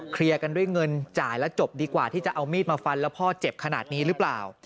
กันด้วยเงินจ่ายแล้วจบดีกว่าที่จะเอามีดมาฟันแล้วพ่อเจ็บขนาดนี้หรือเปล่า